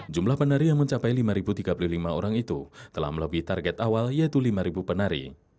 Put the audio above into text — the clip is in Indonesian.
jumlah penari yang mencapai lima tiga puluh lima orang itu telah melebihi target awal yaitu lima penari